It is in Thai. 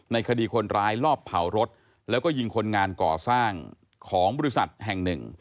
คดีคนร้ายลอบเผารถแล้วก็ยิงคนงานก่อสร้างของบริษัทแห่งหนึ่ง